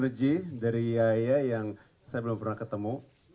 um dia betang biasa seksiu